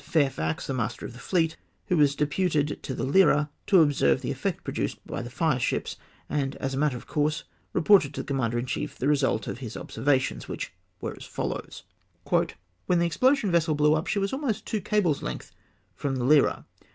Fairfax, the master of the fleet, who was deputed in the Lyra to observe the effect produced by the fircships, and, as a matter of course, reported to the commander in chief the result of his observations, which were as follows :—" When the explosion vessel blew up, she was about two cables' length from the Lyra.